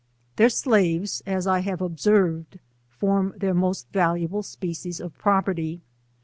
Their slaves, as 1 have observed, form their most valuable species of properly.